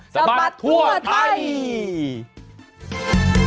สะบัดทั่วไทย